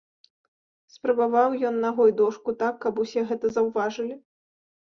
Спрабаваў ён нагой дошку так, каб усе гэта заўважылі.